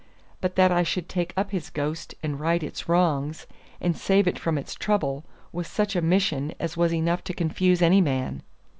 But that I should take up his ghost and right its wrongs, and save it from its trouble, was such a mission as was enough to confuse any man.